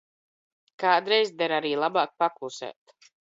Kādreiz der arī labāk paklusēt.